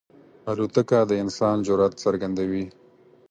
الوتکه د انسان جرئت څرګندوي.